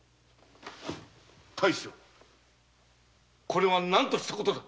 これは何としたことか？